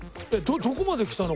どこまで来たの？